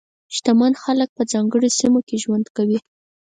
شتمن خلک په ځانګړو سیمو کې ژوند کوي.